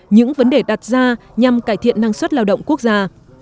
những vấn đề đặt ra nhằm cải thiện năng suất lao động quốc gia